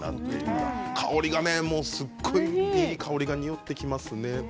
香りがねすごいいい香りが匂ってきますね。